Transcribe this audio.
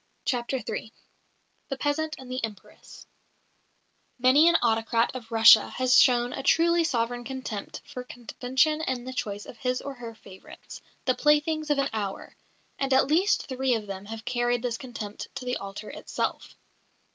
CHAPTER III THE PEASANT AND THE EMPRESS Many an autocrat of Russia has shown a truly sovereign contempt for convention in the choice of his or her favourites, the "playthings of an hour"; and at least three of them have carried this contempt to the altar itself.